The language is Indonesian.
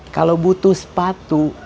kalau butuh sepatu